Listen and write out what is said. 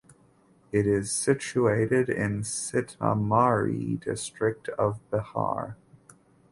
It is situated in Sitamarhi district of Bihar.